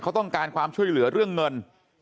เขาต้องการความช่วยเหลือเรื่องเงิน